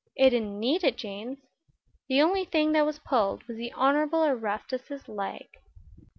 "It didn't need it, James. The only thing that was pulled was the Honorable Erastus's leg."